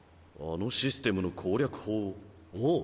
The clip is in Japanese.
あのシステムの攻略法を？